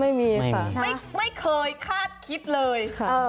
ไม่มีค่ะไม่เคยคาดคิดเลยค่ะ